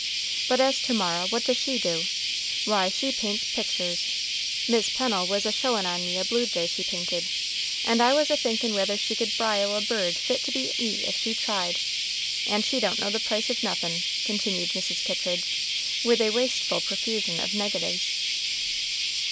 But as to Mara, what does she do? Why, she paints pictur's. Mis' Pennel was a showin' on me a blue jay she painted, and I was a thinkin' whether she could brile a bird fit to be eat if she tried; and she don't know the price of nothin'," continued Mrs. Kittridge, with wasteful profusion of negatives.